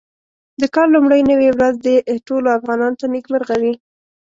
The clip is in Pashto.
د کال لومړۍ نوې ورځ دې ټولو افغانانو ته نېکمرغه وي.